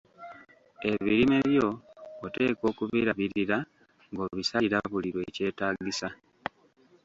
Ebirime byo oteekwa okubirabirira, ng‘obisalira buli lwekyetaagisa.